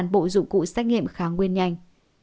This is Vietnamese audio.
bộ dụng cụ xét nghiệm kháng nguyên nhanh